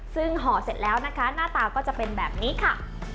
ซึ่งห่อเสร็จแล้วนะคะหน้าตาก็จะเป็นแบบนี้ค่ะ